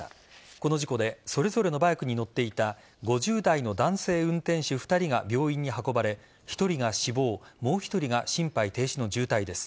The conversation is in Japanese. この事故でそれぞれのバイクに乗っていた５０代の男性運転手２人が病院に運ばれ１人が死亡もう１人が心肺停止の重体です。